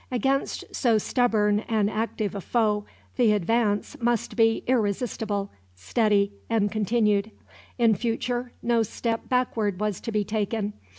Against so stubborn and active a foe the advance must be irresistible, steady, and continued. In future, no step backward was to be taken.